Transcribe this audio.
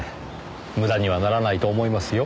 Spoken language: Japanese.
無駄にはならないと思いますよ。